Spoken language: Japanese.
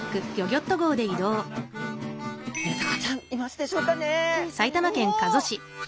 メダカちゃんいますでしょうかね？ですね。